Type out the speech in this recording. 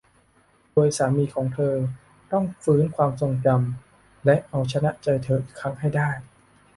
โดยสามีของเธอต้องฟื้นความทรงจำและเอาชนะใจเธออีกครั้งให้ได้